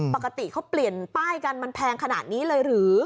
ปกติเขาเปลี่ยนป้ายกันมันแพงขนาดนี้เลยหรือ